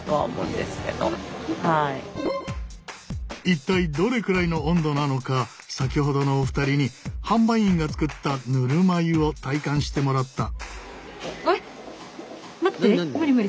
一体どれくらいの温度なのか先ほどのお二人に販売員が作ったぬるま湯を体感してもらった。